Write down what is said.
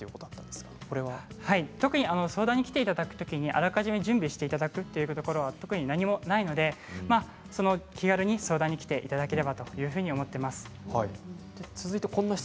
特に相談に来ていただくときに、あらかじめ準備していただくというところは特に何もないので気軽に相談に来ていただければというふうに思っています。